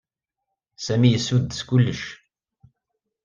Sami yessuddes kullec.